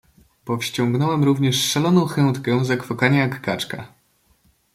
"Powściągnąłem również szaloną chętkę zakwakania jak kaczka."